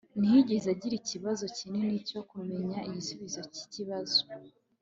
ntiyigeze agira ikibazo kinini cyo kumenya igisubizo cyikibazo